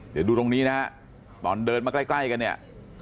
เดี๋ยวดูตรงนี้นะฮะตอนเดินมาใกล้กันเนี่ย